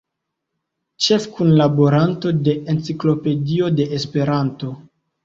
Ĉefkunlaboranto de "Enciklopedio de Esperanto".